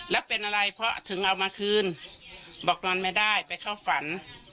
แล้วเป็นอะไรเพราะถึงเอามาคืนบอกนอนไม่ได้ไปเข้าฝัน